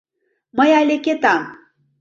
Мый але кетам...